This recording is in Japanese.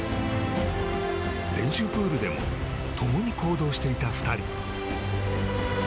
練習プールでもともに行動していた２人。